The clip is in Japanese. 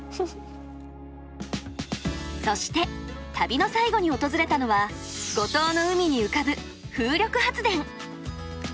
そして旅の最後に訪れたのは五島の海に浮かぶ風力発電。